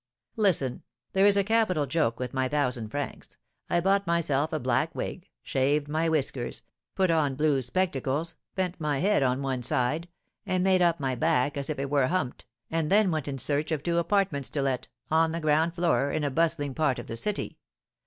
"Listen! There is a capital joke with my thousand francs, I bought myself a black wig, shaved my whiskers, put on blue spectacles, bent my head on one side, and made up my back as if it were humped, and then went in search of two apartments to let, on the ground floor, in a bustling part of the city.